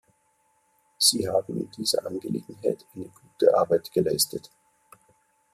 Sie haben in dieser Angelegenheit eine gute Arbeit geleistet.